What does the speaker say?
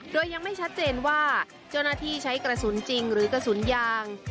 โดยยังไม่ชัดเจนว่าเจ้าหน้าที่ใช้กระสุนจริงหรือกระสุนยาง